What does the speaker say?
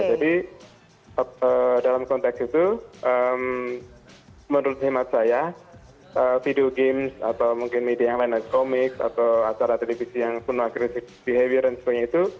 jadi dalam konteks itu menurut himat saya video games atau mungkin media yang lain komik atau acara televisi yang penuh agresif behavior dan sebagainya itu